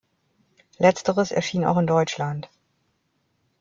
Letzteres erschien auch in Deutschland.